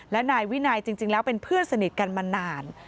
และนายวินัยจริงแล้วเป็นเพื่อนสนิทกันมานาน